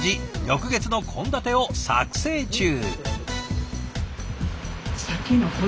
翌月の献立を作成中。